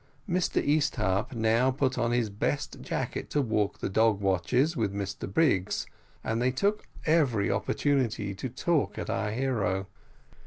Mr Easthupp now put on his best jacket to walk the dog watches with Mr Biggs, and they took every opportunity to talk at our hero.